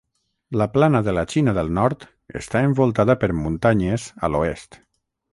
La plana de la Xina del nord està envoltada per muntanyes a l'oest.